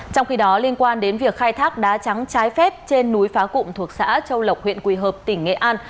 trong khi đó liên quan đến việc khai thác đá trắng trái phép trên núi phá cụm thuộc xã châu lộc huyện quỳ hợp tỉnh nghệ an